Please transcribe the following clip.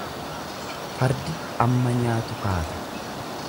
Fardi amma nyaatu kaata.